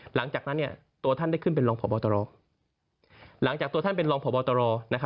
หลังจากนั้นตัวท่านได้ขึ้นเป็นรองผ่อบอตรอ